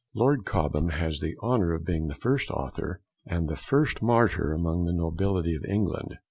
Lord Cobham has the honour of being the first author and the first martyr among the nobility of England.